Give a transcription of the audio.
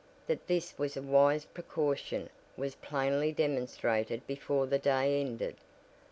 That this was a wise precaution was plainly demonstrated before the day ended.